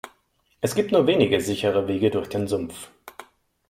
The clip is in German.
Es gibt nur wenige sichere Wege durch den Sumpf.